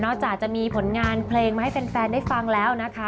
จากจะมีผลงานเพลงมาให้แฟนได้ฟังแล้วนะคะ